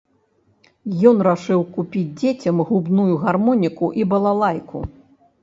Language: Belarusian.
Ён рашыў купіць дзецям губную гармоніку і балалайку.